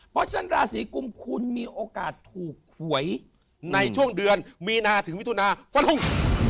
เพราะฉะนั้นราศีกุมคุณมีโอกาสถูกหวยในช่วงเดือนมีนาถึงมิถุนาฟันลุง